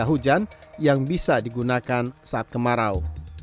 hujan yang bisa digunakan saat kemarau